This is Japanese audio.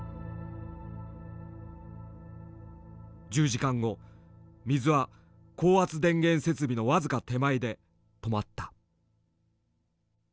１０時間後水は高圧電源設備の僅か手前で止まった。